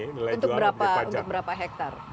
untuk berapa hektare